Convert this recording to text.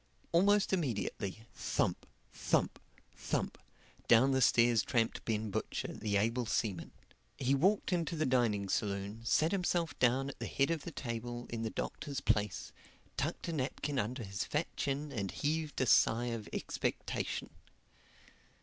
Almost immediately, thump, thump, thump, down the stairs tramped Ben Butcher, the able seaman. He walked into the dining saloon, sat himself down at the head of the table in the Doctor's place, tucked a napkin under his fat chin and heaved a sigh of expectation.